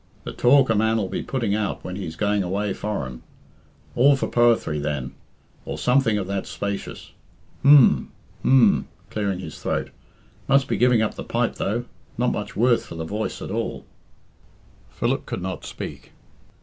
"The talk a man'll be putting out when he's going away foreign! All for poethry then, or something of that spacious. H'm! h'm!" clearing his throat, "must be giving up the pipe, though. Not much worth for the voice at all." Philip could not speak.